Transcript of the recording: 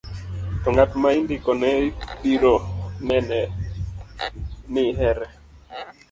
to ng'at ma indiko ne biro nene ni ihere